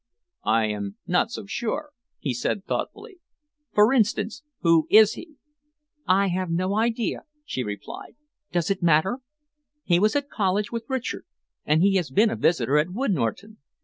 "I am not so sure," he said thoughtfully. "For instance, who is he?" "I have no idea," she replied. "Does it matter? He was at college with Richard, and he has been a visitor at Wood Norton.